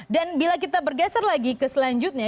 dan bila kita bergeser lagi ke selanjutnya